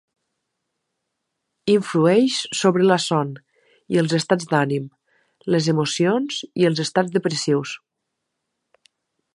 Influeix sobre la son i els estats d'ànim, les emocions i els estats depressius.